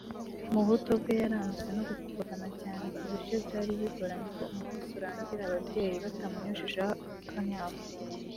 Mu buto bwe yaranzwe no gukubagana cyane ku buryo byari bigoranye ko umunsi urangira ababyeyi batamunyujijeho kanayafu